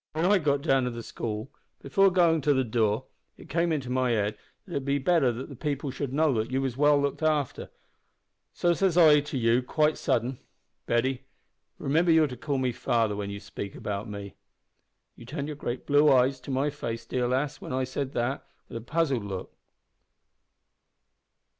When I got down to the school, before goin' up to the door it came into my head that it would be better that the people should know you was well looked after, so says I to you, quite sudden, `Betty, remember you're to call me father when you speak about me.' You turned your great blue eyes to my face, dear lass, when I said that, with a puzzled look.